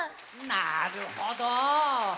なるほど！